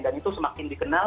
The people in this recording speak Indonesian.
dan itu semakin dikenal